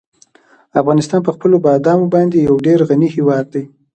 افغانستان په خپلو بادامو باندې یو ډېر غني هېواد دی.